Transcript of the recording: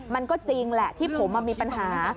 มันก็จริงแหละที่ผมมีปัญหา